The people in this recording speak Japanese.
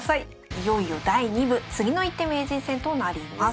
いよいよ第２部「次の一手名人戦」となります。